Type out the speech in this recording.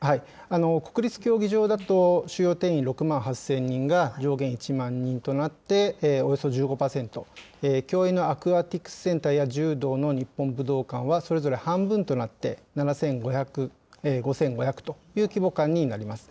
国立競技場だと収容定員６万８０００人が上限１万人となって、およそ１５％、競泳のアクアティクスセンターや柔道の日本武道館は、それぞれ半分となって７５００、５５００という規模感になります。